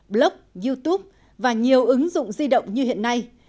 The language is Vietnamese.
blog youtube và nhiều ứng dụng di động như hiện nay